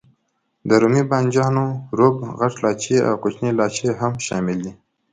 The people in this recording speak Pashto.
د رومي بانجانو روب، غټ لاچي او کوچنی لاچي هم شامل دي.